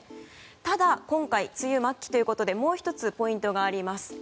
ただ今回、梅雨末期ということでもう１つ、ポイントがあります。